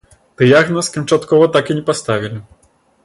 Дыягназ канчаткова так і не паставілі.